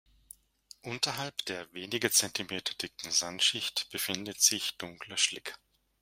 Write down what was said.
Unterhalb der wenige Zentimeter dicken Sandschicht befindet sich dunkler Schlick.